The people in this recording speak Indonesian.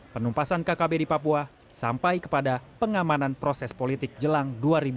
penumpasan kkb di papua sampai kepada pengamanan proses politik jelang dua ribu dua puluh